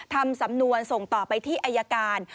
ทำสำนวนส่งต่อไปที่อายการ